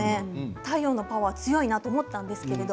太陽のパワーが強いなと思ったんですけれど